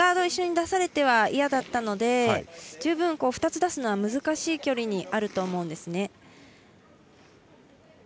一緒に出されては嫌だったので十分、２つ出すのは難しい距離にあると思うんですね。